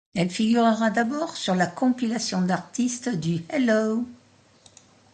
Elle figurera d'abord sur la compilation d'artistes du Hello!